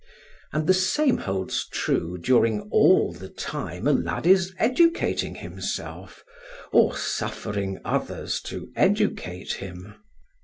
And the same holds true during all the time a lad is educating himself, or suffering others to educate him.